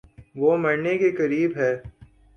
وہ مرنے کے قریب ہے